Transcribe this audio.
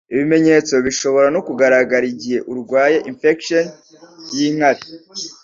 ibi bimenyetso bishobora no kugaragara igihe urwaye infection y' inkari